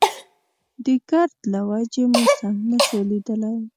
د ګرد له وجې مو سم نه شو ليدلی.